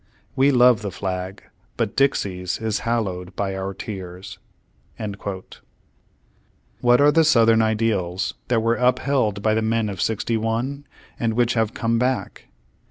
We love the flag, but Dixie's is hallowed by our tears." * What are the Southern ideals that were upheld by the men of sixty one, and which have "come back?"